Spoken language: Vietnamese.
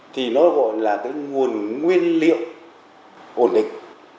thì nó gọi là cái nguồn nguyên liệu ổn định